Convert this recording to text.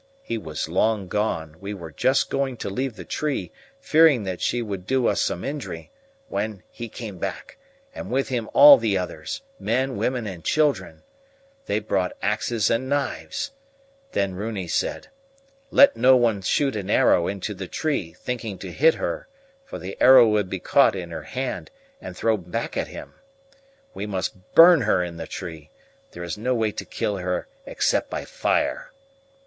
He was long gone; we were just going to leave the tree, fearing that she would do us some injury, when he came back, and with him all the others, men, women, and children. They brought axes and knives. Then Runi said: 'Let no one shoot an arrow into the tree thinking to hit her, for the arrow would be caught in her hand and thrown back at him. We must burn her in the tree; there is no way to kill her except by fire.